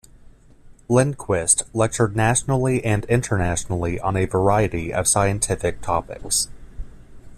Lindquist lectured nationally and internationally on a variety of scientific topics.